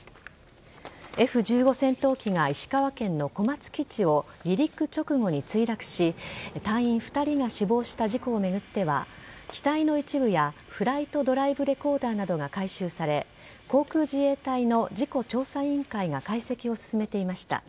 Ｆ‐１５戦闘機が石川県の小松基地を離陸直後に墜落し隊員２人が死亡した事故を巡っては機体の一部やフライト・ドライブレコーダーなどが回収され航空自衛隊の事故調査委員会が解析を進めていました。